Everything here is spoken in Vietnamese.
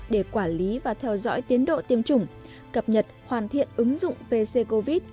để quản lý và theo dõi tiến độ tiêm chủng cập nhật hoàn thiện ứng dụng pc covid